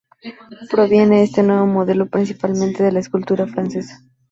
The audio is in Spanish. Proviene este nuevo modelo principalmente de la escultura francesa.